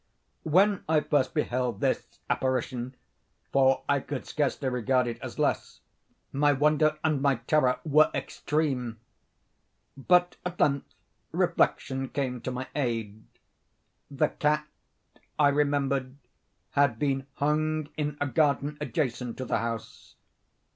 When I first beheld this apparition—for I could scarcely regard it as less—my wonder and my terror were extreme. But at length reflection came to my aid. The cat, I remembered, had been hung in a garden adjacent to the house.